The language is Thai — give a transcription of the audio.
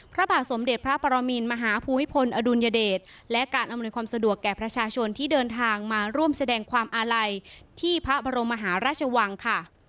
พระบาทสมเด็จพระปรมินมหาภูมิพลอดุลยเดชและการอำนวยความสะดวกแก่ประชาชนที่เดินทางมาร่วมแสดงความอาลัยที่พระบรมมหาราชวังค่ะ